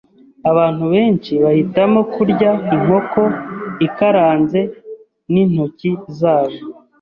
Abantu benshi bahitamo kurya inkoko ikaranze n'intoki zabo.